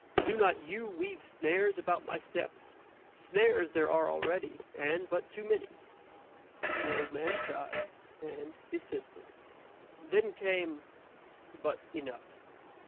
Do not you weave snares about my steps; snares there are already, and but too many." The old man sighed, and desisted. Then came But enough!